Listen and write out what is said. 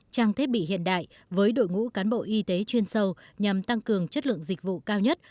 trang thiết bị hiện đại với đội ngũ cán bộ y tế chuyên sâu nhằm tăng cường chất lượng dịch vụ cao nhất